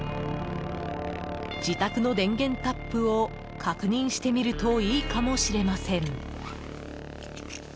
自宅の電源タップを確認してみるといいかもしれません。